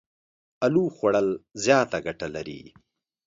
الو خوړ ل زياته ګټه لري.